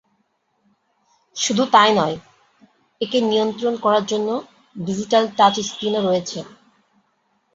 শুধু তাই নয়, একে নিয়ন্ত্রণ করার জন্য ডিজিটাল টাচ স্ক্রিনও রয়েছে।